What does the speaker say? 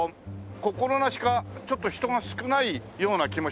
心なしかちょっと人が少ないような気もします。